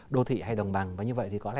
đô thị hay đồng bằng và như vậy thì có lẽ